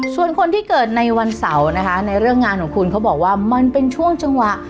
ส่วนคนที่เกิดในวันเสาร์นะคะในเรื่องงานของคุณเขาบอกว่ามันเป็นช่วงจังหวะ